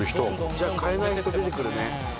じゃあ買えない人出てくるね。